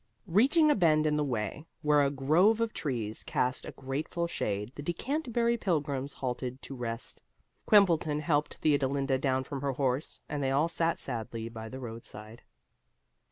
Reaching a bend in the way, where a grove of trees cast a grateful shade, the Decanterbury Pilgrims halted to rest. Quimbleton helped Theodolinda down from her horse, and they all sat sadly by the roadside.